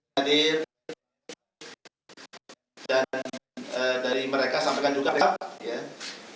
dan dari mereka sampaikan juga ya